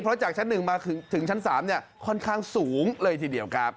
เพราะจากชั้น๑มาถึงชั้น๓ค่อนข้างสูงเลยทีเดียวครับ